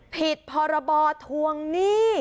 ผิดพรบทวงหนี้